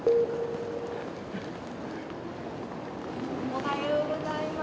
おはようございます。